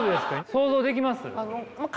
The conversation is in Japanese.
想像できます？